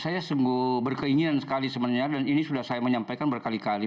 saya sungguh berkeinginan sekali sebenarnya dan ini sudah saya menyampaikan berkali kali